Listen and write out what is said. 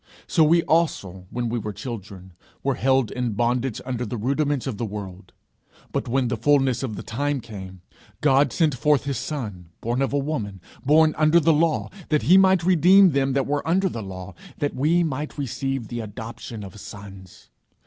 So we also, when we were children, were held in bondage under the rudiments of the world: but when the fulness of the time came, God sent forth his Son, born of a woman, born under the law, that he might redeem them which were under the law, that we might receive the adoption of sons.